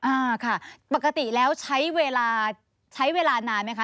อ่าค่ะปกติแล้วใช้เวลาใช้เวลานานไหมคะ